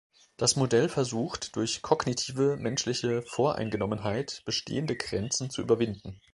Das Modell versucht durch kognitive menschliche Voreingenommenheit bestehende Grenzen zu überwinden.